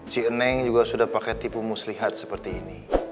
si eneng juga sudah pakai tipu muslihat seperti ini